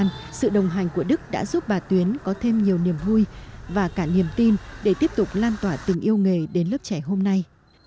nhưng sự đồng hành của đức đã giúp bà tuyến có thêm nhiều niềm vui và cả niềm tin để tiếp tục lan tỏa tình yêu nghề đến lớp trẻ hôm nay